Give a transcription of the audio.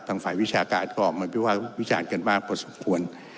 ทางฝ่ายวิชาการก็ไม่ว่าวิชากันมากพอสมควร